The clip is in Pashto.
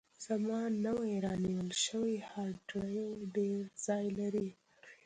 زما نوی رانیول شوی هارډ ډرایو ډېر ځای لري.